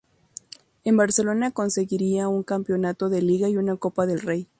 En Barcelona conseguiría un campeonato de Liga y una Copa del Rey.